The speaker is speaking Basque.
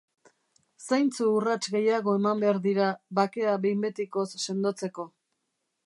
Zeintzu urrats gehiago eman behar dira bakea behin betikoz sendotzeko?